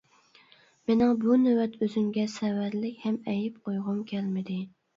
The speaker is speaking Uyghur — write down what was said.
مېنىڭ بۇ نۆۋەت ئۆزۈمگە سەۋەنلىك ھەم ئەيىب قويغۇم كەلمىدى.